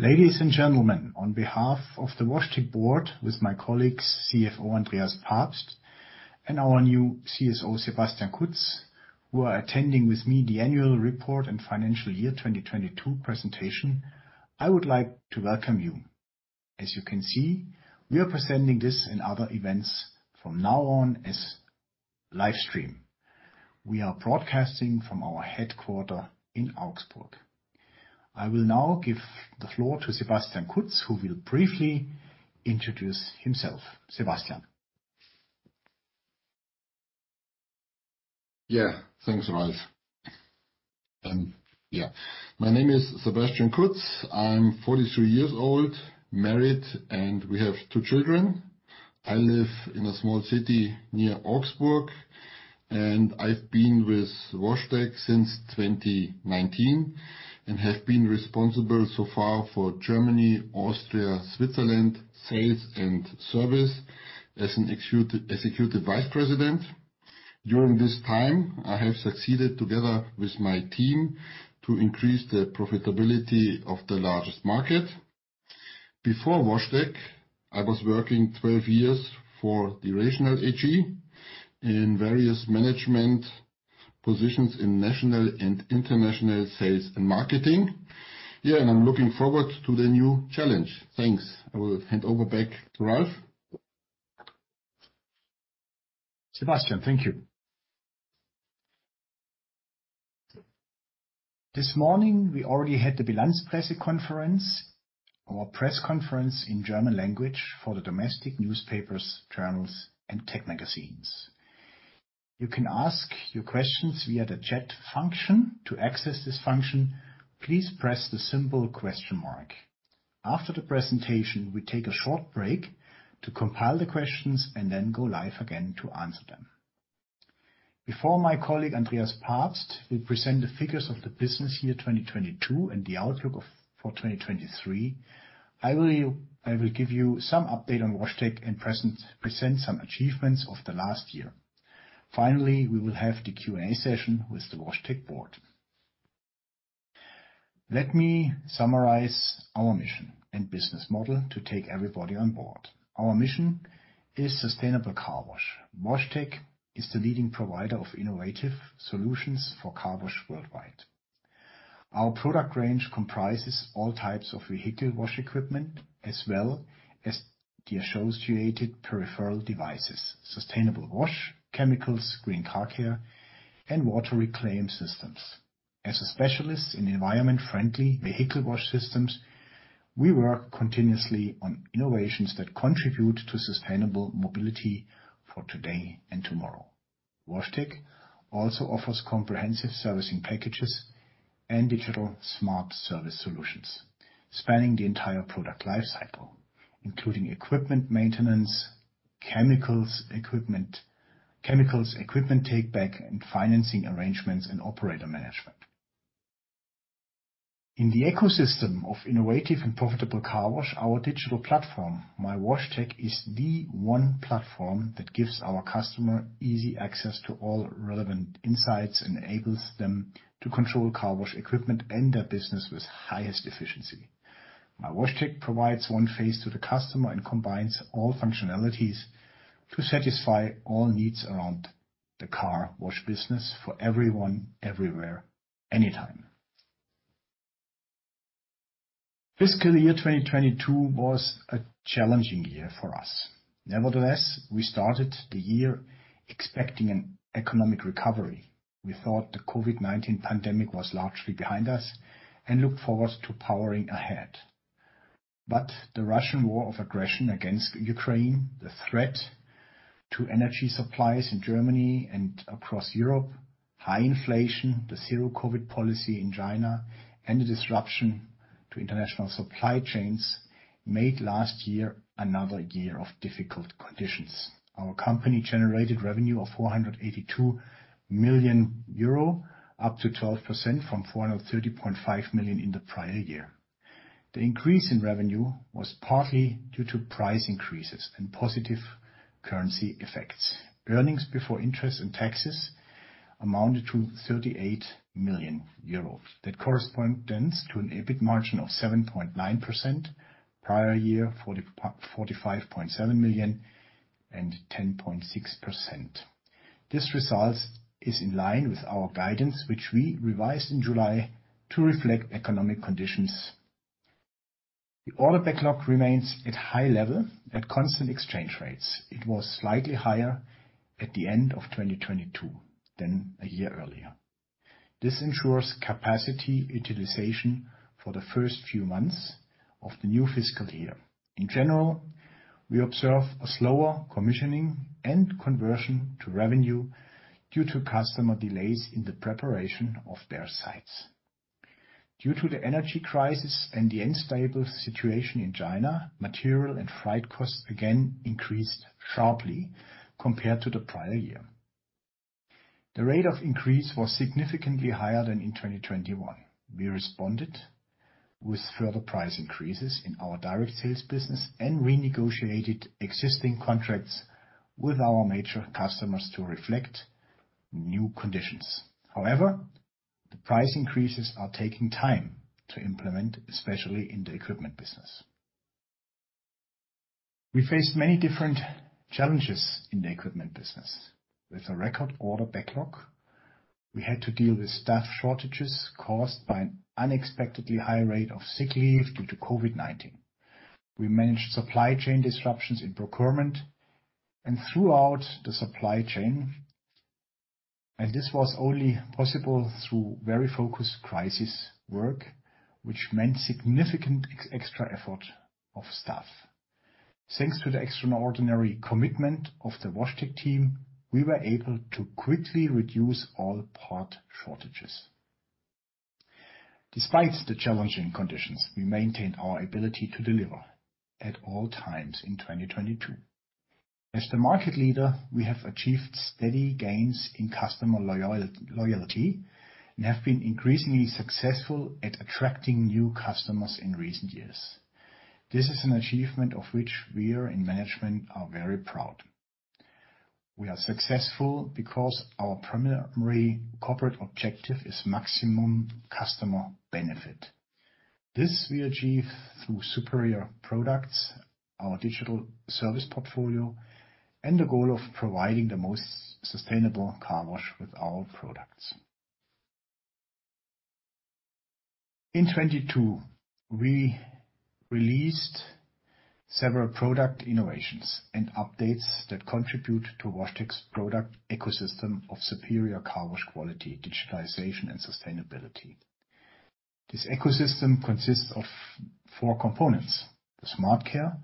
Ladies and gentlemen, on behalf of the WashTec board with my colleagues, CFO Andreas Pabst and our new CSO, Sebastian Kutz, who are attending with me the annual report and financial year 2022 presentation, I would like to welcome you. As you can see, we are presenting this and other events from now on as live stream. We are broadcasting from our headquarter in Augsburg. I will now give the floor to Sebastian Kutz, who will briefly introduce himself. Sebastian. Thanks, Ralf. My name is Sebastian Kutz. I'm 43 years old, married, and we have two children. I live in a small city near Augsburg, and I've been with WashTec since 2019 and have been responsible so far for Germany, Austria, Switzerland sales and service as an executed Vice President. During this time, I have succeeded together with my team to increase the profitability of the largest market. Before WashTec, I was working 12 years for the Rational AG in various management positions in national and international sales and marketing. I'm looking forward to the new challenge. Thanks. I will hand over back to Ralf. Sebastian, thank you. This morning we already had the Bilanzpressekonferenz, our press conference in German language for the domestic newspapers, journals, and tech magazines. You can ask your questions via the chat function. To access this function, please press the simple question mark. After the presentation, we take a short break to compile the questions and then go live again to answer them. Before my colleague Andreas Pabst will present the figures of the business year 2022 and the outlook for 2023, I will give you some update on WashTec and present some achievements of the last year. Finally, we will have the Q&A session with the WashTec board. Let me summarize our mission and business model to take everybody on board. Our mission is sustainable car wash. WashTec is the leading provider of innovative solutions for car wash worldwide. Our product range comprises all types of vehicle wash equipment, as well as the associated peripheral devices, sustainable wash chemicals, Green Car Care, and water reclaim systems. As a specialist in environment-friendly vehicle wash systems, we work continuously on innovations that contribute to sustainable mobility for today and tomorrow. WashTec also offers comprehensive servicing packages and digital smart service solutions spanning the entire product life cycle, including equipment maintenance, chemicals equipment, chemicals equipment take back, and financing arrangements and operator management. In the ecosystem of innovative and profitable car wash, our digital platform, mywashtec, is the one platform that gives our customer easy access to all relevant insights and enables them to control car wash equipment and their business with highest efficiency. mywashtec provides one phase to the customer and combines all functionalities to satisfy all needs around the car wash business for everyone, everywhere, anytime. Fiscal year 2022 was a challenging year for us. Nevertheless, we started the year expecting an economic recovery. We thought the COVID-19 pandemic was largely behind us and looked forward to powering ahead. The Russian war of aggression against Ukraine, the threat to energy supplies in Germany and across Europe, high inflation, the zero-COVID policy in China, and the disruption to international supply chains made last year another year of difficult conditions. Our company generated revenue of 482 million euro, up to 12% from 430.5 million in the prior year. The increase in revenue was partly due to price increases and positive currency effects. Earnings before interest and taxes amounted to 38 million euros. That corresponds to an EBIT margin of 7.9%, prior year 45.7 million and 10.6%. This result is in line with our guidance, which we revised in July to reflect economic conditions. The order backlog remains at high level at constant exchange rates. It was slightly higher at the end of 2022 than a year earlier. This ensures capacity utilization for the first few months of the new fiscal year. In general, we observe a slower commissioning and conversion to revenue due to customer delays in the preparation of their sites. Due to the energy crisis and the unstable situation in China, material and freight costs again increased sharply compared to the prior year. The rate of increase was significantly higher than in 2021. We responded with further price increases in our direct sales business and renegotiated existing contracts with our major customers to reflect new conditions. The price increases are taking time to implement, especially in the equipment business. We faced many different challenges in the equipment business. With a record order backlog, we had to deal with staff shortages caused by an unexpectedly high rate of sick leave due to COVID-19. We managed supply chain disruptions in procurement and throughout the supply chain, and this was only possible through very focused crisis work, which meant significant extra effort of staff. Thanks to the extraordinary commitment of the WashTec team, we were able to quickly reduce all part shortages. Despite the challenging conditions, we maintained our ability to deliver at all times in 2022. As the market leader, we have achieved steady gains in customer loyalty and have been increasingly successful at attracting new customers in recent years. This is an achievement of which we are in management are very proud. We are successful because our primary corporate objective is maximum customer benefit. This we achieve through superior products, our digital service portfolio, and the goal of providing the most sustainable car wash with our products. In 2022, we released several product innovations and updates that contribute to WashTec's product ecosystem of superior car wash quality, digitization, and sustainability. This ecosystem consists of foiur components: the SmartCare,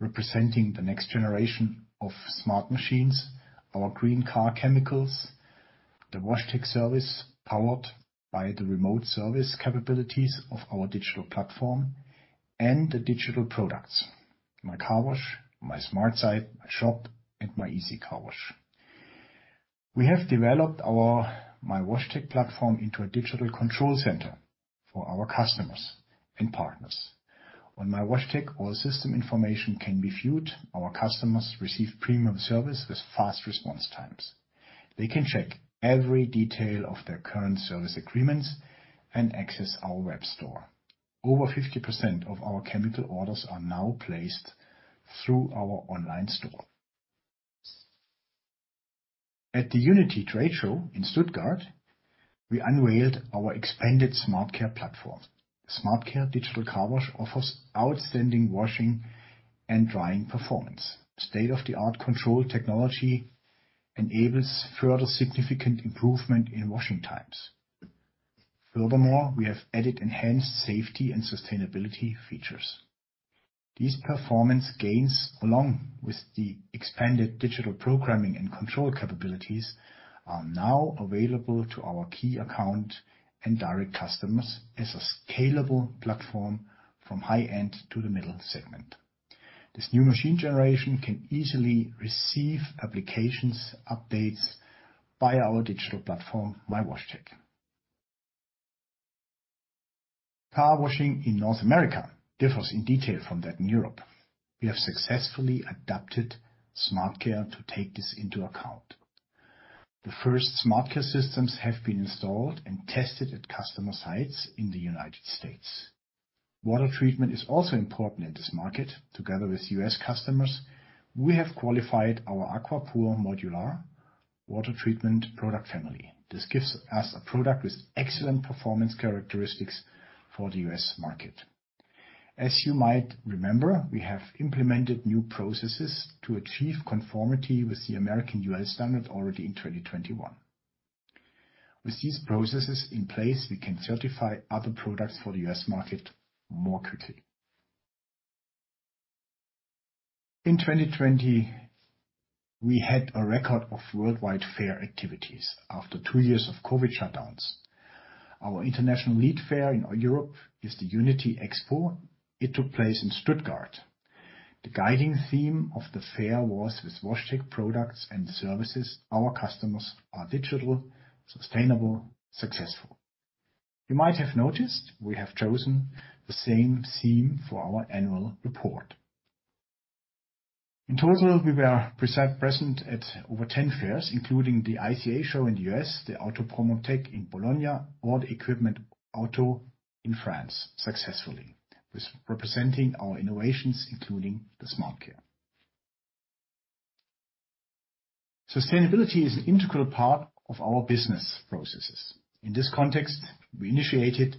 representing the next generation of smart machines, our Green Car Care chemicals, the WashTec service powered by the remote service capabilities of our digital platform, and the digital products, My CarWash, My SmartSite, My Shop, and My EasyCarWash. We have developed our mywashtec platform into a digital control center for our customers and partners. On mywashtec, all system information can be viewed. Our customers receive premium service with fast response times. They can check every detail of their current service agreements and access our web store. Over 50% of our chemical orders are now placed through our online store. At the UNITI Trade Show in Stuttgart, we unveiled our expanded SmartCare platform. SmartCare digital car wash offers outstanding washing and drying performance. State-of-the-art control technology enables further significant improvement in washing times. Furthermore, we have added enhanced safety and sustainability features. These performance gains, along with the expanded digital programming and control capabilities, are now available to our key account and direct customers as a scalable platform from high-end to the middle segment. This new machine generation can easily receive applications, updates by our digital platform, mywashtec. Car washing in North America differs in detail from that in Europe. We have successfully adapted SmartCare to take this into account. The first SmartCare systems have been installed and tested at customer sites in the United States. Water treatment is also important in this market. Together with U.S. customers, we have qualified our AquaPur Modular water treatment product family. This gives us a product with excellent performance characteristics for the U.S. market. As you might remember, we have implemented new processes to achieve conformity with the American UL standard already in 2021. With these processes in place, we can certify other products for the U.S. market more quickly. In 2020, we had a record of worldwide fair activities after two years of COVID shutdowns. Our international lead fair in Europe is the UNITI expo. It took place in Stuttgart. The guiding theme of the fair was with WashTec products and services, our customers are digital, sustainable, successful. You might have noticed we have chosen the same theme for our annual report. In total, we were pre-present at over 10 fairs, including the ICA show in the U.S., the Autopromotec in Bologna, Equip Auto in France successfully, with representing our innovations, including the SmartCare. Sustainability is an integral part of our business processes. In this context, we initiated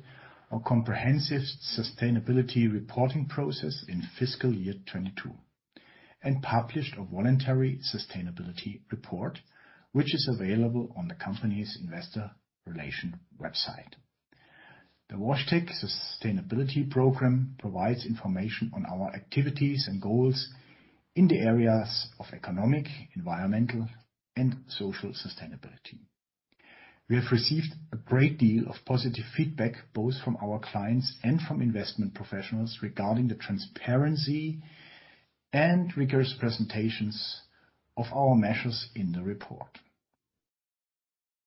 our comprehensive sustainability reporting process in fiscal year 2022 and published a voluntary sustainability report, which is available on the company's investor relation website. The WashTec sustainability program provides information on our activities and goals in the areas of economic, environmental, and social sustainability. We have received a great deal of positive feedback, both from our clients and from investment professionals, regarding the transparency and rigorous presentations of our measures in the report.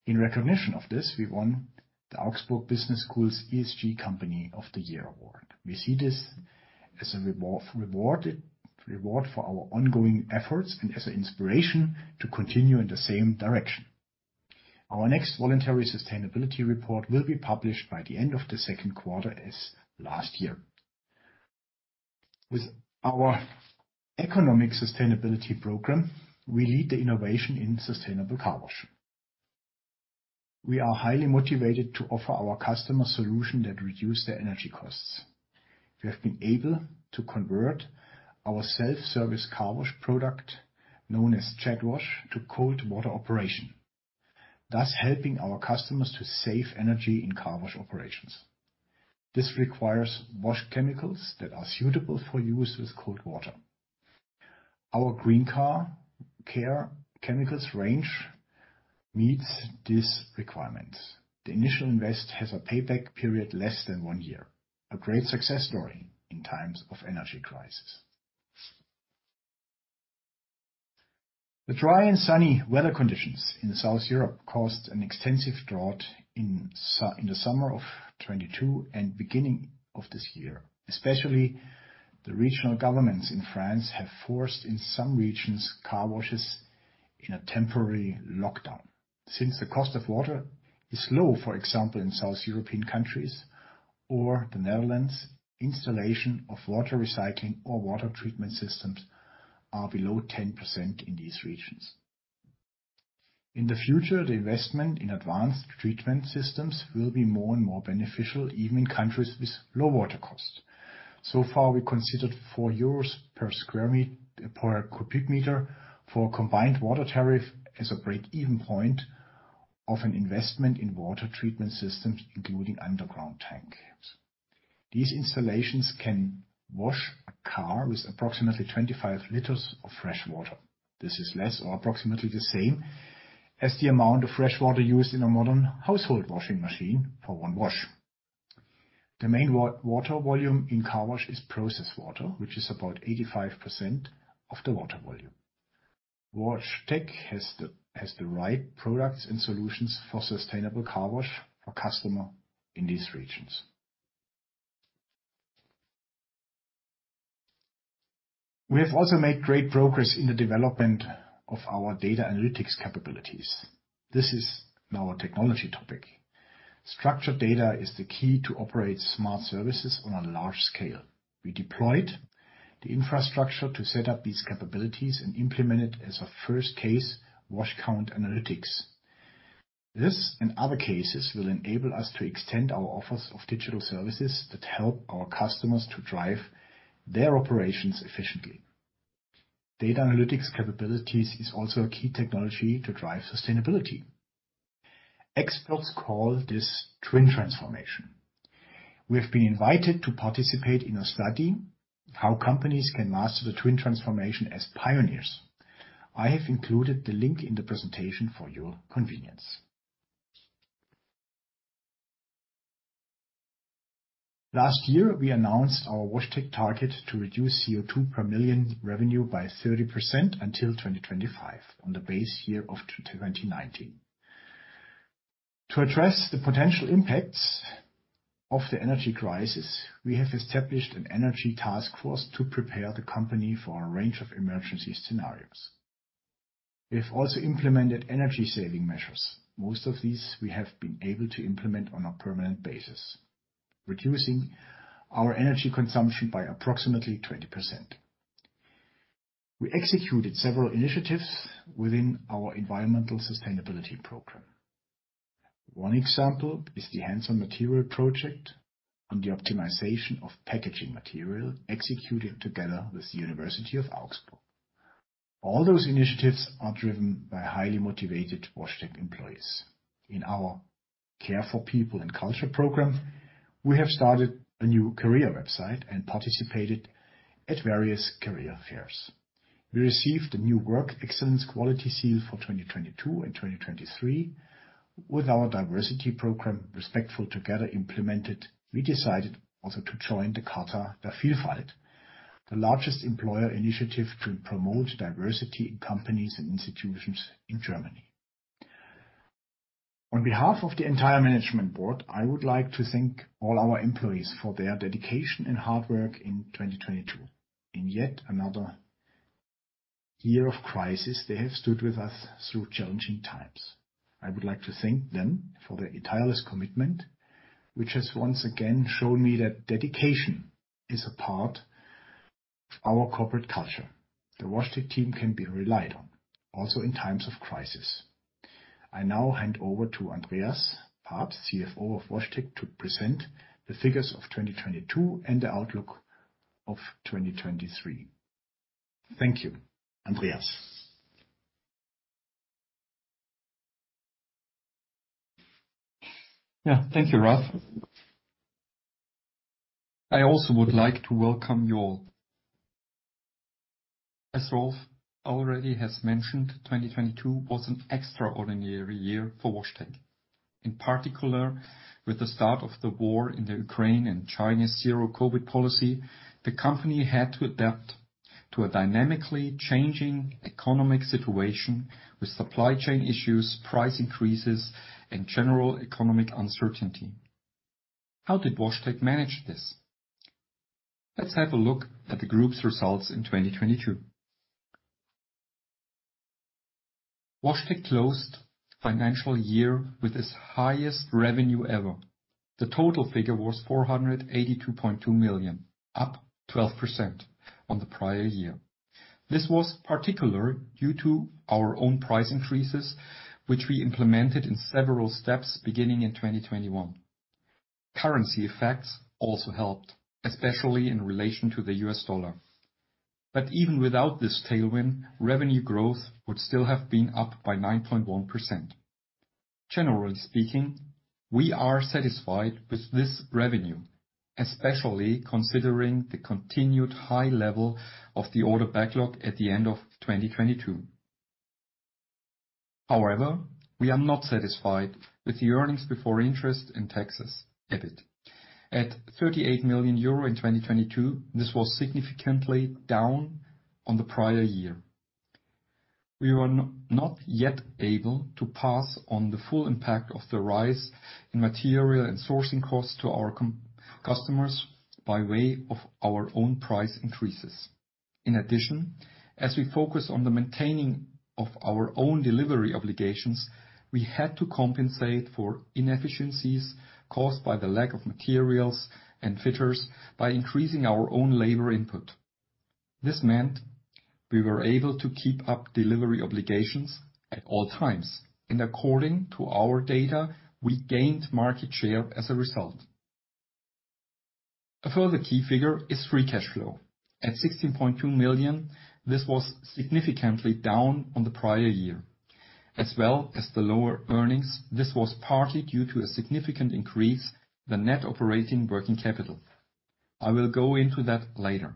In recognition of this, we won the Augsburg Business School's ESG Company of the Year Award. We see this as a reward for our ongoing efforts and as an inspiration to continue in the same direction. Our next voluntary sustainability report will be published by the end of the second quarter as last year. With our economic sustainability program, we lead the innovation in sustainable car wash. We are highly motivated to offer our customers solution that reduce their energy costs. We have been able to convert our self-service car wash product, known as JetWash, to cold water operation, thus helping our customers to save energy in car wash operations. This requires wash chemicals that are suitable for use with cold water. Our Green Car Care chemicals range meets these requirements. The initial invest has a payback period less than one year. A great success story in times of energy crisis. The dry and sunny weather conditions in the South Europe caused an extensive drought in the summer of 2022 and beginning of this year, especially the regional governments in France have forced, in some regions, car washes in a temporary lockdown. Since the cost of water is low, for example, in South European countries or the Netherlands, installation of water recycling or water treatment systems are below 10% in these regions. In the future, the investment in advanced treatment systems will be more and more beneficial, even in countries with low water costs. So far, we considered 4 euros per cubic meter for a combined water tariff as a break-even point of an investment in water treatment systems, including underground tank camps. These installations can wash a car with approximately 25 liters of fresh water. This is less or approximately the same as the amount of fresh water used in a modern household washing machine for one wash. The main water volume in car wash is processed water, which is about 85% of the water volume. WashTec has the right products and solutions for sustainable car wash for customer in these regions. We have also made great progress in the development of our data analytics capabilities. This is now a technology topic. Structured data is the key to operate smart services on a large scale. We deployed the infrastructure to set up these capabilities and implement it as a first case wash count analytics. This and other cases will enable us to extend our offers of digital services that help our customers to drive their operations efficiently. Data analytics capabilities is also a key technology to drive sustainability. Experts call this twin transformation. We have been invited to participate in a study, how companies can master the twin transformation as pioneers. I have included the link in the presentation for your convenience. Last year, we announced our WashTec target to reduce CO2 per million revenue by 30% until 2025 on the base year of 2019. To address the potential impacts of the energy crisis, we have established an energy task force to prepare the company for a range of emergency scenarios. We have also implemented energy saving measures. Most of these we have been able to implement on a permanent basis, reducing our energy consumption by approximately 20%. We executed several initiatives within our environmental sustainability program. One example is the hands-on material project on the optimization of packaging material executed together with the University of Augsburg. All those initiatives are driven by highly motivated WashTec employees. In our Care for People and Culture program, we have started a new career website and participated at various career fairs. We received a New Work Excellence quality seal for 2022 and 2023. With our diversity program, Respectful Together implemented, we decided also to join the Charta der Vielfalt, the largest employer initiative to promote diversity in companies and institutions in Germany. On behalf of the entire management board, I would like to thank all our employees for their dedication and hard work in 2022. In yet another year of crisis, they have stood with us through challenging times. I would like to thank them for their tireless commitment, which has once again shown me that dedication is a part of our corporate culture. The WashTec team can be relied on, also in times of crisis. I now hand over to Andreas Pabst, CFO of WashTec, to present the figures of 2022 and the outlook of 2023. Thank you. Andreas? Yeah. Thank you, Ralf. I also would like to welcome you all. As Ralf already has mentioned, 2022 was an extraordinary year for WashTec. In particular, with the start of the war in the Ukraine and China's zero COVID policy, the company had to adapt to a dynamically changing economic situation with supply chain issues, price increases, and general economic uncertainty. How did WashTec manage this? Let's have a look at the group's results in 2022. WashTec closed financial year with its highest revenue ever. The total figure was 482.2 million, up 12% on the prior year. This was particular due to our own price increases, which we implemented in several steps beginning in 2021. Currency effects also helped, especially in relation to the U.S. dollar. Even without this tailwind, revenue growth would still have been up by 9.1%. Generally speaking, we are satisfied with this revenue, especially considering the continued high level of the order backlog at the end of 2022. However, we are not satisfied with the earnings before interest and taxes, EBIT. At 38 million euro in 2022, this was significantly down on the prior year. We were not yet able to pass on the full impact of the rise in material and sourcing costs to our customers by way of our own price increases. In addition, as we focus on the maintaining of our own delivery obligations, we had to compensate for inefficiencies caused by the lack of materials and fitters by increasing our own labor input. This meant we were able to keep up delivery obligations at all times, and according to our data, we gained market share as a result. A further key figure is free cash flow. At 16.2 million, this was significantly down on the prior year. As well as the lower earnings, this was partly due to a significant increase the net operating working capital. I will go into that later.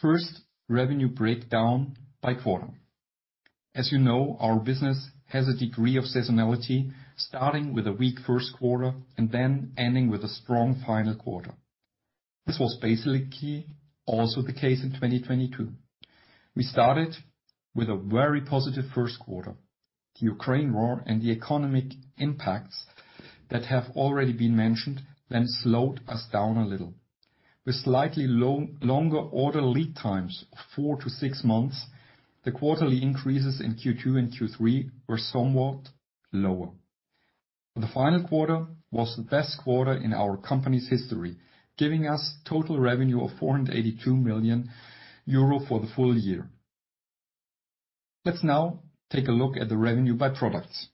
First, revenue breakdown by quarter. As you know, our business has a degree of seasonality, starting with a weak first quarter and then ending with a strong final quarter. This was basically also the case in 2022. We started with a very positive first quarter. The Ukraine war and the economic impacts that have already been mentioned then slowed us down a little. With slightly longer order lead times of 4 to 6 months, the quarterly increases in Q2 and Q3 were somewhat lower. The final quarter was the best quarter in our company's history, giving us total revenue of 482 million euro for the full year. Let's now take a look at the revenue by products.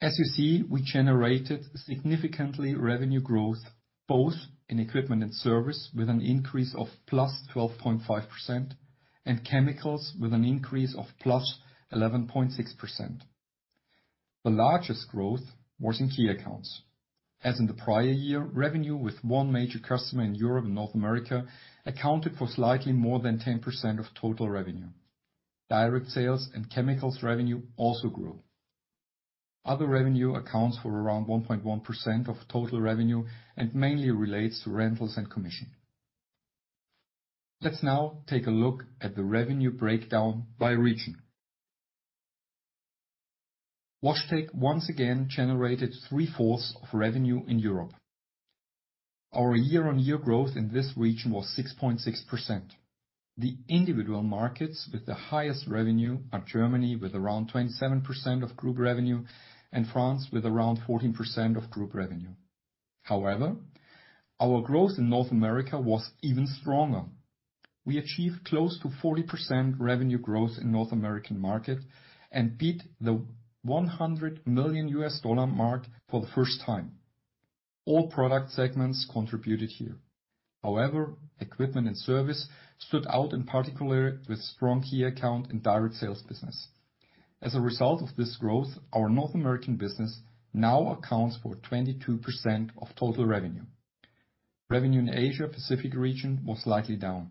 As you see, we generated significantly revenue growth, both in equipment and service, with an increase of +12.5%, and chemicals with an increase of +11.6%. The largest growth was in key accounts. As in the prior year, revenue with one major customer in Europe and North America accounted for slightly more than 10% of total revenue. Direct sales and chemicals revenue also grew. Other revenue accounts for around 1.1% of total revenue and mainly relates to rentals and commission. Let's now take a look at the revenue breakdown by region. WashTec once again generated 3/4 of revenue in Europe. Our year-on-year growth in this region was 6.6%. The individual markets with the highest revenue are Germany with around 27% of group revenue and France with around 14% of group revenue. Our growth in North America was even stronger. We achieved close to 40% revenue growth in North American market and beat the $100 million mark for the first time. All product segments contributed here. Equipment and service stood out in particular with strong key account and direct sales business. As a result of this growth, our North American business now accounts for 22% of total revenue. Revenue in Asia-Pacific region was slightly down.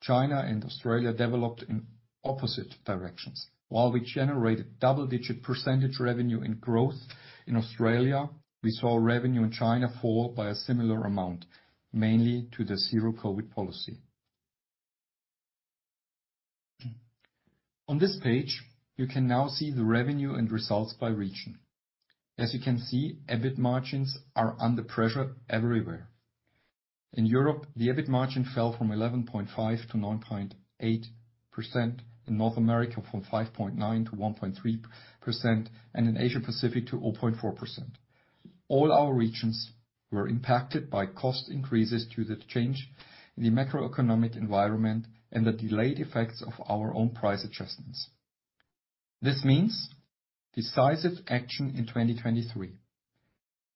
China and Australia developed in opposite directions. While we generated double-digit percentage revenue in growth in Australia, we saw revenue in China fall by a similar amount, mainly to the Zero-COVID policy. On this page, you can now see the revenue and results by region. As you can see, EBIT margins are under pressure everywhere. In Europe, the EBIT margin fell from 11.5 to 9.8%, in North America from 5.9 to 1.3%, and in Asia-Pacific to 0.4%. All our regions were impacted by cost increases due to the change in the macroeconomic environment and the delayed effects of our own price adjustments. This means decisive action in 2023.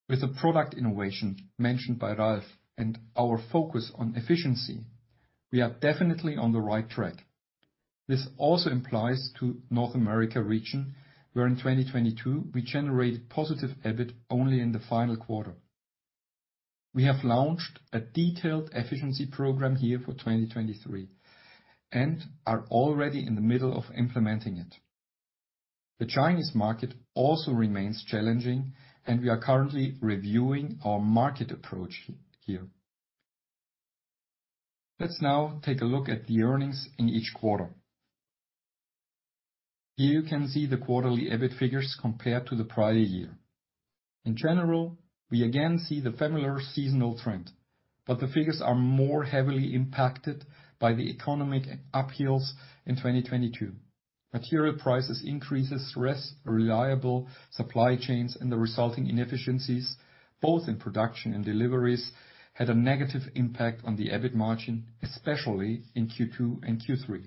With the product innovation mentioned by Ralf and our focus on efficiency, we are definitely on the right track. This also implies to North America region, where in 2022 we generated positive EBIT only in the final quarter. We have launched a detailed efficiency program here for 2023 and are already in the middle of implementing it. The Chinese market also remains challenging, and we are currently reviewing our market approach here. Let's now take a look at the earnings in each quarter. Here you can see the quarterly EBIT figures compared to the prior year. In general, we again see the familiar seasonal trend, but the figures are more heavily impacted by the economic uphills in 2022. Material prices increases, less reliable supply chains, and the resulting inefficiencies, both in production and deliveries, had a negative impact on the EBIT margin, especially in Q2 and Q3.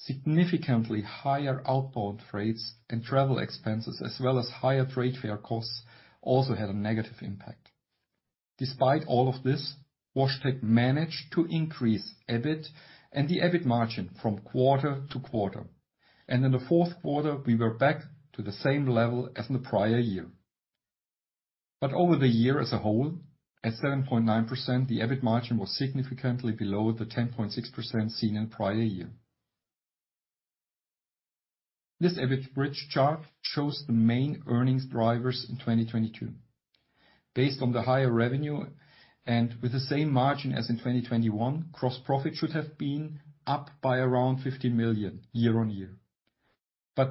Significantly higher outbound rates and travel expenses, as well as higher trade fair costs also had a negative impact. Despite all of this, WashTec managed to increase EBIT and the EBIT margin from quarter to quarter. In the fourth quarter, we were back to the same level as in the prior year. Over the year as a whole, at 7.9%, the EBIT margin was significantly below the 10.6% seen in prior year. This EBIT bridge chart shows the main earnings drivers in 2022. Based on the higher revenue and with the same margin as in 2021, gross profit should have been up by around 50 million year-on-year.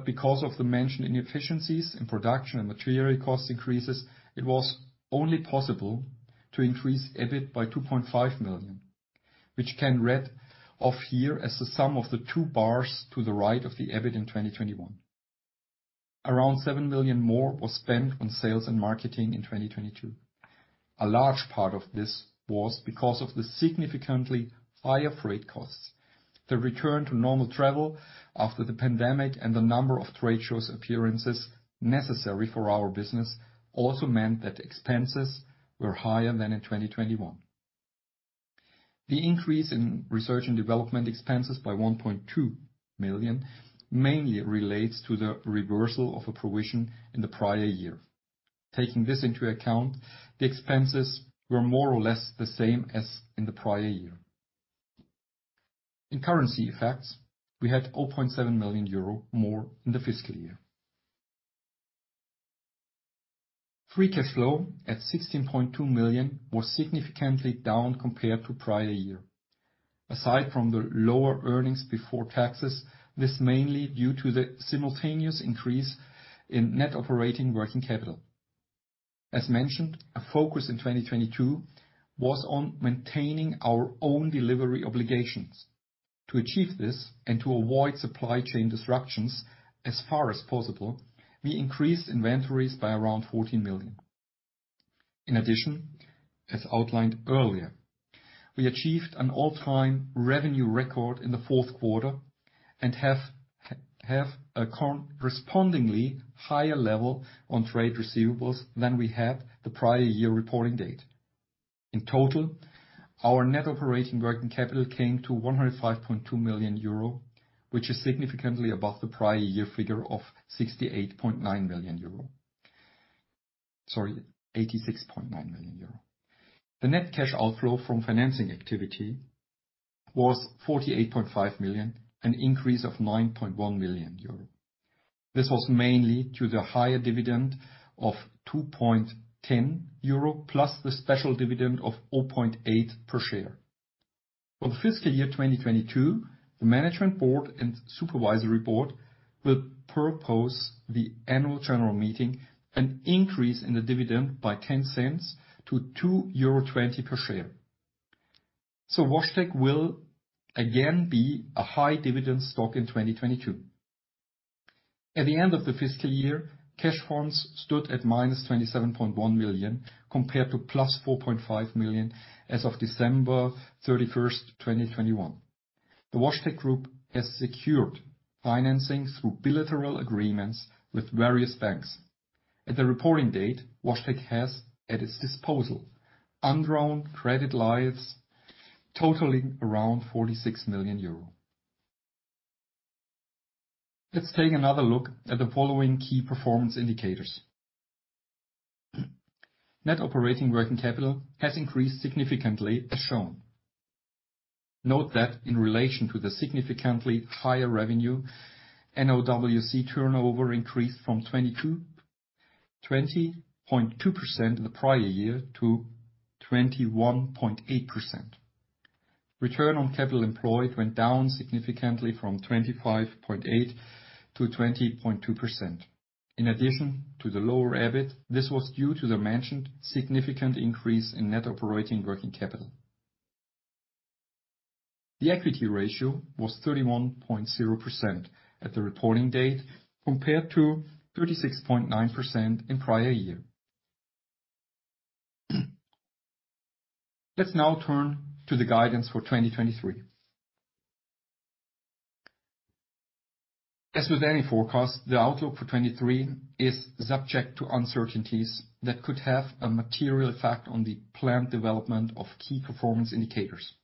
Because of the mentioned inefficiencies in production and material cost increases, it was only possible to increase EBIT by 2.5 million, which can read off here as the sum of the two bars to the right of the EBIT in 2021. Around 7 million more was spent on sales and marketing in 2022. A large part of this was because of the significantly higher freight costs. The return to normal travel after the pandemic and the number of trade shows appearances necessary for our business also meant that expenses were higher than in 2021. The increase in research and development expenses by 1.2 million mainly relates to the reversal of a provision in the prior year. Taking this into account, the expenses were more or less the same as in the prior year. In currency effects, we had 0.7 million euro more in the fiscal year. Free cash flow at 16.2 million was significantly down compared to prior year. Aside from the lower earnings before taxes, this mainly due to the simultaneous increase in net operating working capital. As mentioned, a focus in 2022 was on maintaining our own delivery obligations. To achieve this and to avoid supply chain disruptions as far as possible, we increased inventories by around 14 million. In addition, as outlined earlier, we achieved an all-time revenue record in the fourth quarter and have a correspondingly higher level on trade receivables than we had the prior year reporting date. In total, our net operating working capital came to 105.2 million euro, which is significantly above the prior year figure of 68.9 million euro. Sorry, 86.9 million euro. The net cash outflow from financing activity was 48.5 million, an increase of 9.1 million euro. This was mainly due to the higher dividend of 2.10 euro plus the special dividend of 0.8 per share. For the fiscal year 2022, the management board and supervisory board will propose the annual general meeting an increase in the dividend by 0.10 to 2.20 euro per share. WashTec will again be a high dividend stock in 2022. At the end of the fiscal year, cash funds stood at -27.1 million compared to +4.5 million as of December 31, 2021. The WashTec Group has secured financing through bilateral agreements with various banks. At the reporting date, WashTec has at its disposal undrawn credit lines totaling around EUR 46 million. Let's take another look at the following key performance indicators. net operating working capital has increased significantly as shown. Note that in relation to the significantly higher revenue, NOWC turnover increased from 20.2% in the prior year to 21.8%. Return on capital employed went down significantly from 25.8% to 20.2%. In addition to the lower EBIT, this was due to the mentioned significant increase in net operating working capital. The equity ratio was 31.0% at the reporting date compared to 36.9% in prior year. Let's now turn to the guidance for 2023. As with any forecast, the outlook for 2023 is subject to uncertainties that could have a material effect on the planned development of key performance indicators.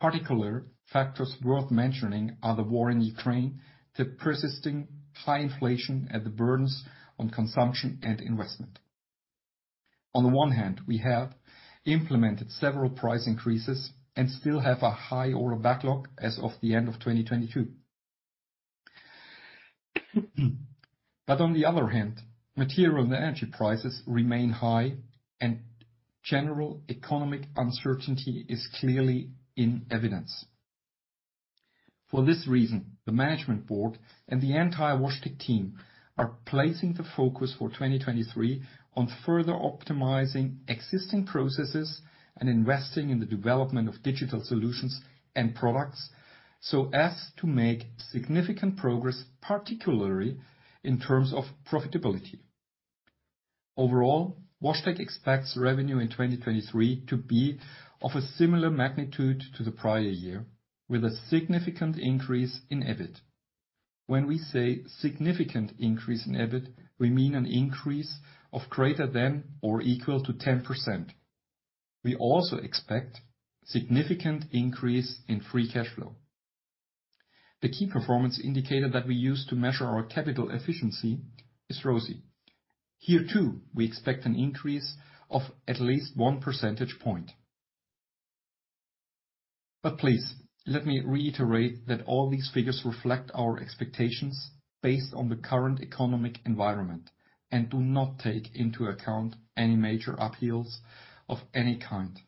Particular factors worth mentioning are the war in Ukraine, the persisting high inflation, and the burdens on consumption and investment. On the one hand, we have implemented several price increases and still have a high order backlog as of the end of 2022. On the other hand, material and energy prices remain high and general economic uncertainty is clearly in evidence. For this reason, the management board and the entire WashTec team are placing the focus for 2023 on further optimizing existing processes and investing in the development of digital solutions and products so as to make significant progress, particularly in terms of profitability. Overall, WashTec expects revenue in 2023 to be of a similar magnitude to the prior year with a significant increase in EBIT. When we say significant increase in EBIT, we mean an increase of greater than or equal to 10%. We also expect significant increase in free cash flow. The key performance indicator that we use to measure our capital efficiency is ROSI. Here, too, we expect an increase of at least one percentage point. Please let me reiterate that all these figures reflect our expectations based on the current economic environment and do not take into account any major upheavals of any kind.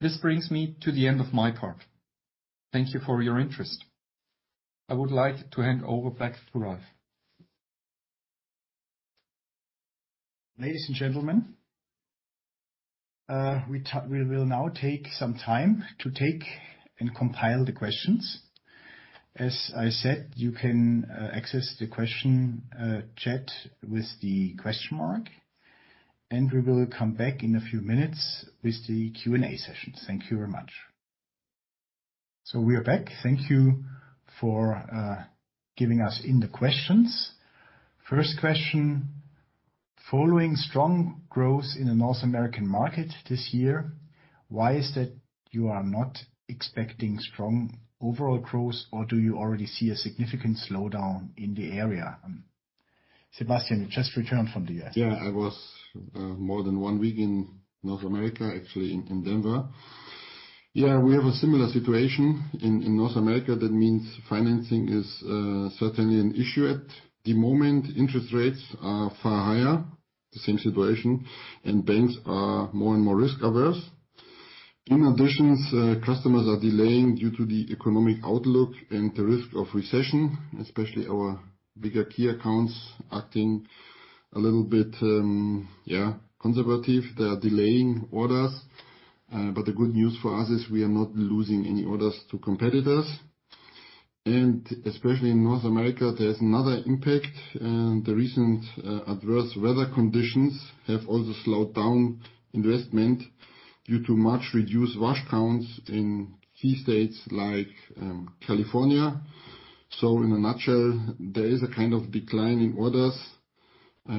This brings me to the end of my part. Thank you for your interest. I would like to hand over back to Ralf. Ladies and gentlemen, we will now take some time to take and compile the questions. As I said, you can access the question chat with the question mark, and we will come back in a few minutes with the Q&A session. Thank you very much. We are back. Thank you for giving us in the questions. First question: Following strong growth in the North American market this year, why is it you are not expecting strong overall growth, or do you already see a significant slowdown in the area? Sebastian, you just returned from there. I was more than one week in North America, actually in Denver. We have a similar situation in North America. That means financing is certainly an issue at the moment. Interest rates are far higher, the same situation, and banks are more and more risk averse. In addition, customers are delaying due to the economic outlook and the risk of recession, especially our bigger key accounts acting a little bit conservative. They are delaying orders. The good news for us is we are not losing any orders to competitors. Especially in North America, there's another impact. The recent adverse weather conditions have also slowed down investment due to much reduced wash counts in key states like California. In a nutshell, there is a kind of decline in orders,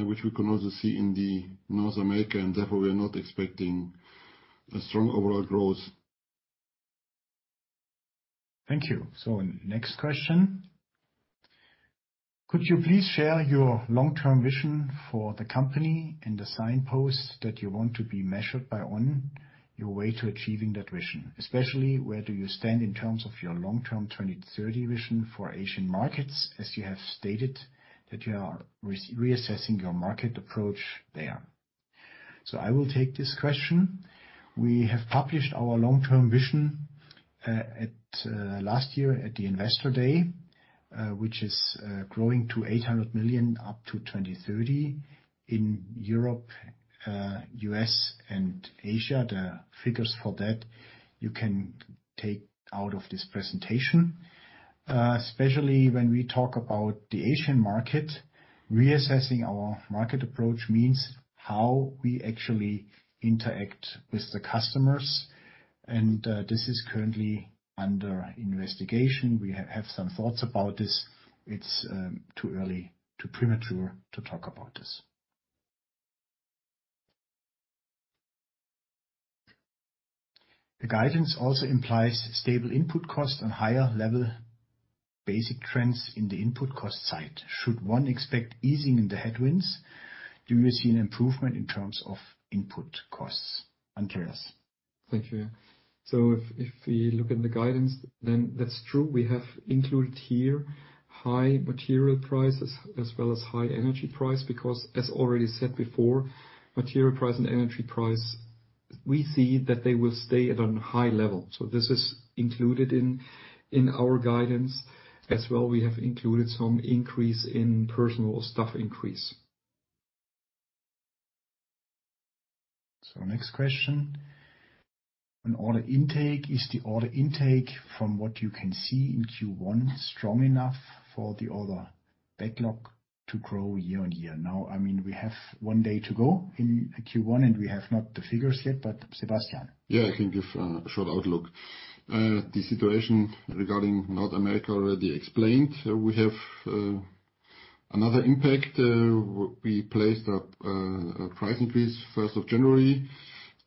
which we can also see in the North America, and therefore, we are not expecting a strong overall growth. Thank you. Next question. Could you please share your long-term vision for the company and the signposts that you want to be measured by on your way to achieving that vision? Especially, where do you stand in terms of your long-term 2030 vision for Asian markets, as you have stated that you are reassessing your market approach there? I will take this question. We have published our long-term vision last year at the Investor Day, which is growing to 800 million up to 2030 in Europe, U.S. and Asia. The figures for that you can take out of this presentation. Especially when we talk about the Asian market, reassessing our market approach means how we actually interact with the customers, and this is currently under investigation. We have some thoughts about this. It's, too early, too premature to talk about this. The guidance also implies stable input costs and higher level basic trends in the input cost side. Should one expect easing in the headwinds? Do you see an improvement in terms of input costs? Andreas. Thank you. If we look at the guidance, then that's true. We have included here high material prices as well as high energy price, because as already said before, material price and energy price, we see that they will stay at a high level. This is included in our guidance. As well, we have included some increase in personal staff increase. Next question. On order intake, is the order intake from what you can see in Q1 strong enough for the order backlog to grow year-on-year? I mean, we have 1 day to go in Q1, we have not the figures yet, Sebastian. I can give a short outlook. The situation regarding North America already explained. We have another impact. We placed a price increase first of January,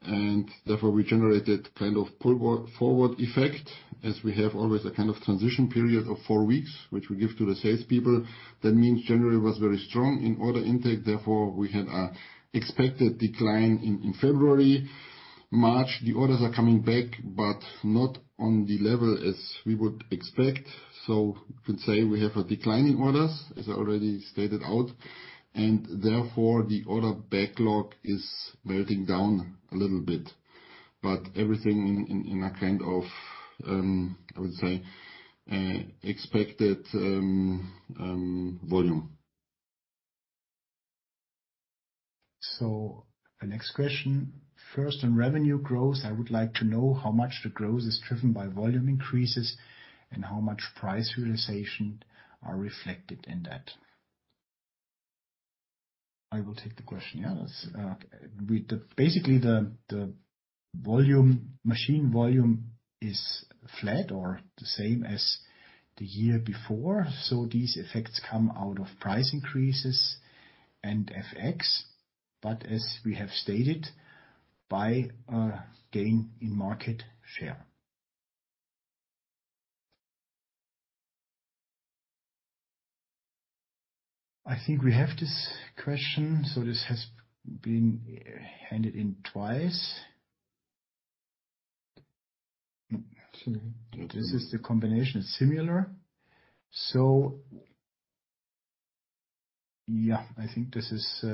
and therefore we generated kind of pull-forward effect as we have always a kind of transition period of four weeks, which we give to the sales people. That means January was very strong in order intake, therefore, we had a expected decline in February. March, the orders are coming back, but not on the level as we would expect. You could say we have a declining orders, as I already stated out. Therefore, the order backlog is melting down a little bit. Everything in a kind of, I would say, expected volume. The next question, first on revenue growth. I would like to know how much the growth is driven by volume increases and how much price realization are reflected in that. I will take the question. Yeah, that's basically, the volume, machine volume is flat or the same as the year before. These effects come out of price increases and FX, but as we have stated, by a gain in market share. I think we have this question, so this has been handed in twice. This is the combination. It's similar. Yeah, I think this is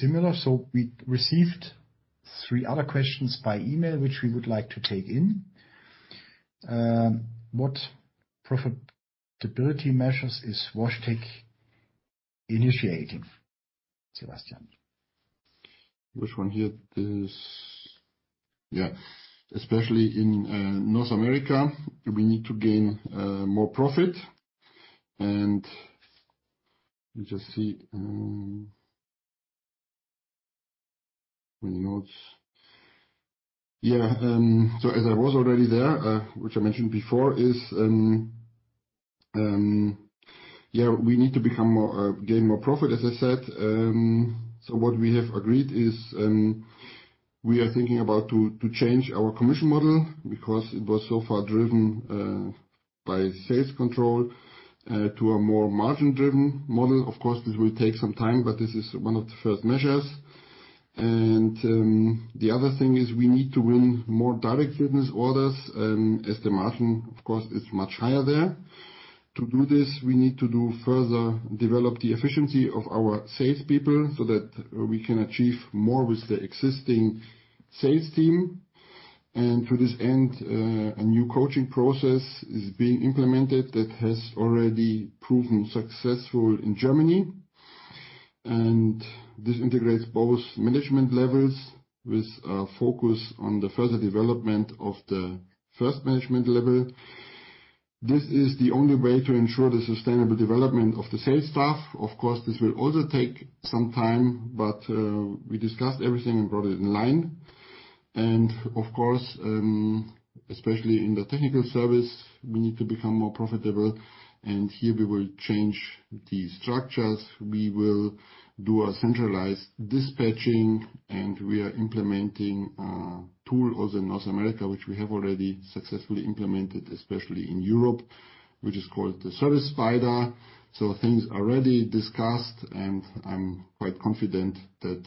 similar. We received three other questions by email, which we would like to take in. What profitability measures is WashTec initiating, Sebastian? Which one here? This. Yeah. Especially in North America, we need to gain more profit. Let me just see. My notes. Yeah, as I was already there, which I mentioned before, is, yeah, we need to become more, gain more profit, as I said. What we have agreed is, we are thinking about to change our commission model because it was so far driven by sales control to a more margin-driven model. Of course, this will take some time, but this is one of the first measures. The other thing is we need to win more direct business orders, as the margin, of course, is much higher there. To do this, we need to do further develop the efficiency of our salespeople, so that we can achieve more with the existing sales team. To this end, a new coaching process is being implemented that has already proven successful in Germany. This integrates both management levels with a focus on the further development of the first management level. This is the only way to ensure the sustainable development of the sales staff. Of course, this will also take some time, but we discussed everything and got it in line. Of course, especially in the technical service, we need to become more profitable. Here we will change the structures. We will do a centralized dispatching, and we are implementing a tool also in North America, which we have already successfully implemented, especially in Europe, which is called the Service Finder. Things are already discussed, and I'm quite confident that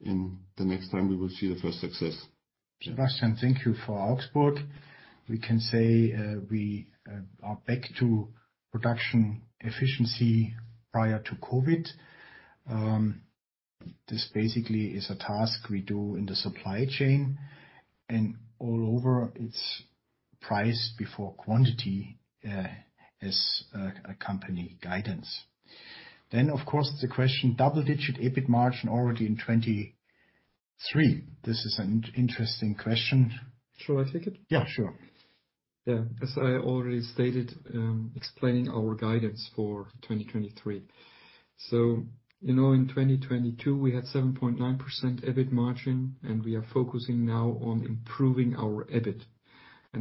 in the next time we will see the first success. Sebastian, thank you for your output. We can say, we are back to production efficiency prior to COVID. This basically is a task we do in the supply chain, and all over it's price before quantity, as a company guidance. Of course, the question, double-digit EBIT margin already in 2023. This is an interesting question. Shall I take it? Yeah, sure. Yeah. As I already stated, explaining our guidance for 2023. You know, in 2022, we had 7.9% EBIT margin, and we are focusing now on improving our EBIT.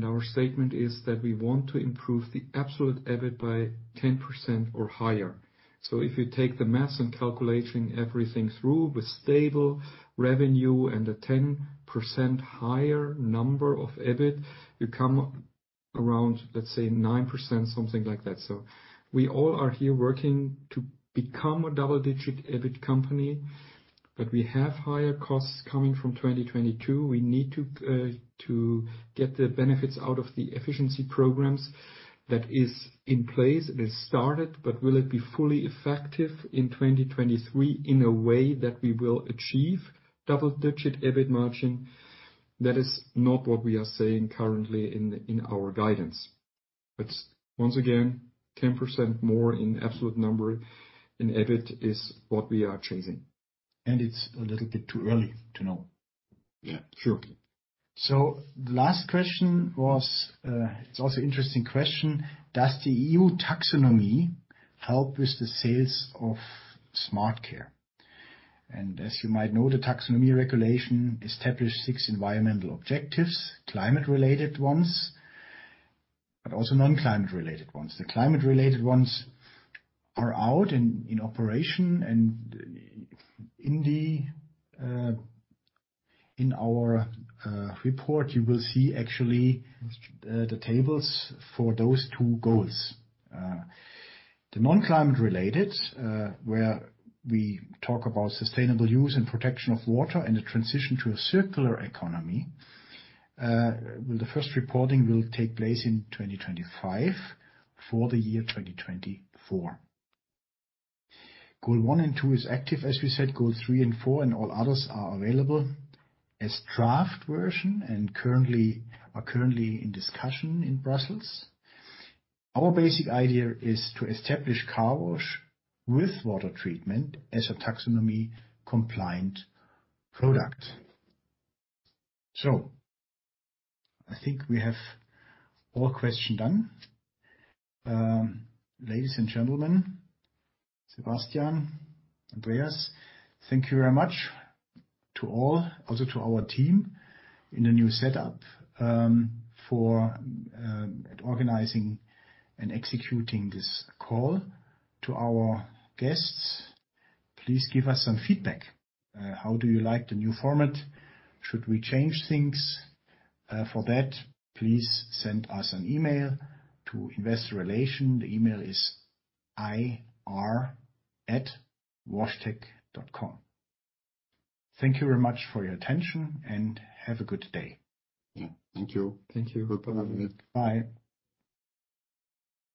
Our statement is that we want to improve the absolute EBIT by 10% or higher. If you take the maths and calculating everything through with stable revenue and a 10% higher number of EBIT, you come around, let's say, 9%, something like that. We all are here working to become a double-digit EBIT company. We have higher costs coming from 2022. We need to get the benefits out of the efficiency programs that is in place and is started, but will it be fully effective in 2023 in a way that we will achieve double-digit EBIT margin? That is not what we are saying currently in our guidance. Once again, 10% more in absolute number in EBIT is what we are chasing. It's a little bit too early to know. Yeah. Sure. The last question was, it's also interesting question: Does the EU taxonomy help with the sales of SmartCare? As you might know, the Taxonomy Regulation established six environmental objectives, climate-related ones, but also non-climate related ones. The climate-related ones are out in operation and in the, in our report, you will see actually, the tables for those two goals. The non-climate related, where we talk about sustainable use and protection of water and the transition to a circular economy, well, the first reporting will take place in 2025 for the year 2024. Goal 1 and 2 is active, as we said. Goal 3 and 4 and all others are available as draft version and are currently in discussion in Brussels. Our basic idea is to establish car wash with water treatment as a taxonomy compliant product. I think we have all question done. Ladies and gentlemen, Sebastian, Andreas, thank you very much to all, also to our team in the new setup, for organizing and executing this call. To our guests, please give us some feedback. How do you like the new format? Should we change things? For that, please send us an email to Investor Relations. The email is ir@washtec.com. Thank you very much for your attention, and have a good day. Yeah. Thank you. Thank you. Bye.